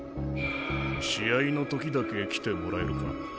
試合の時だけ来てもらえるか？